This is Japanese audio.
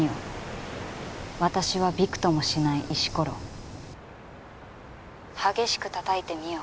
「私はびくともしない石ころ」「激しく叩いてみよ」